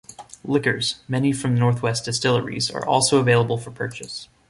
Liquors, many from Northwest distilleries, are also available for purchase.